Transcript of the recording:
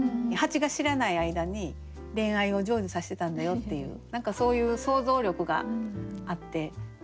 蜂が知らない間に恋愛を成就させてたんだよっていう何かそういう想像力があってかわいい歌ですよね。